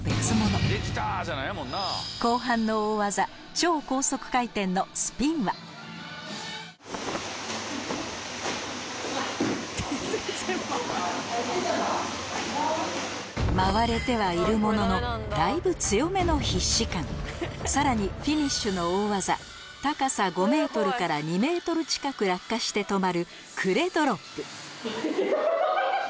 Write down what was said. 超高速回転の回れてはいるもののだいぶ強めのさらにフィニッシュの大技高さ５ｍから２ｍ近く落下して止まるクレドロップハハハハ！